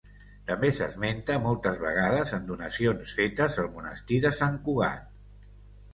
També s'esmenta moltes vegades en donacions fetes al Monestir de Sant Cugat.